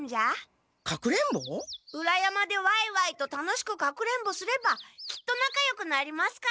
裏山でワイワイと楽しくかくれんぼすればきっと仲よくなりますから。